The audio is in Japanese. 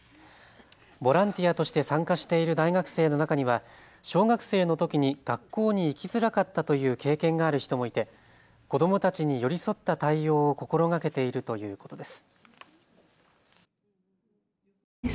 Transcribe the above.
ボランティアとして参加している大学生の中には小学生のときに学校に行きづらかったという経験がある人もいて子どもたちに寄り添った対応を心がけているということです。